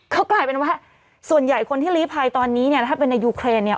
ก็กลายเป็นว่าส่วนใหญ่คนที่ลีภัยตอนนี้เนี่ยถ้าเป็นในยูเครนเนี่ย